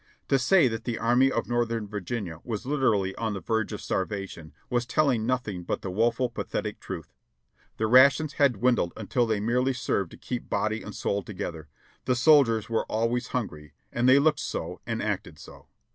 FAMINE 663 To say that the Army of Xortheni Virginia was Hterally on the verge of starvation was telHng nothing but the woeful, pathetic truth. The rations had dwindled until they merely served to keep body and soul together. The soldiers were always hungry, and they looked so, and acted so.